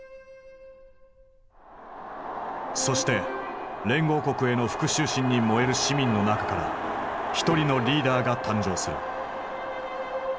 そして連合国への復讐心に燃える市民の中から一人のリーダーが誕生する。